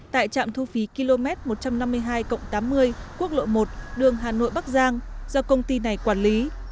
tại trạm thu phí km một trăm năm mươi hai tám mươi quốc lộ một đường hà nội bắc giang do công ty này quản lý